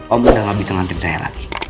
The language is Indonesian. om udah gak bisa nanti berjaya lagi